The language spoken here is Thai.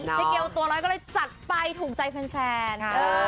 เจ๊เกียวตัวน้อยก็เลยจัดไปถูกใจแฟน